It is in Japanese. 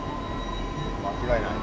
間違いない。